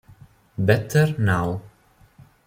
Better Now